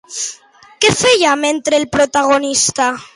Què feia mentre el protagonista?